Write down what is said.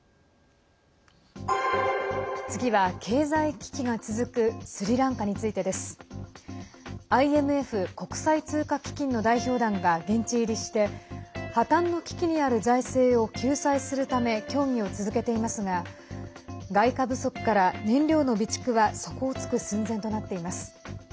次は、経済危機が続くスリランカについてです。ＩＭＦ＝国際通貨基金の代表団が現地入りして破綻の危機にある財政を救済するため協議を続けていますが外貨不足から、燃料の備蓄は底をつく寸前となっています。